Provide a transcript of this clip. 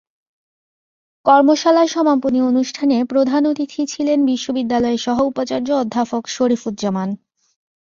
কর্মশালার সমাপনী অনুষ্ঠানে প্রধান অতিথি ছিলেন বিশ্ববিদ্যালয়ের সহ উপাচার্য অধ্যাপক শরীফুজ্জামান।